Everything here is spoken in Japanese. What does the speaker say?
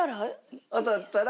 当たったら。